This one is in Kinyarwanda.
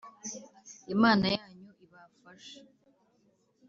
Imana yanyu ibafashe.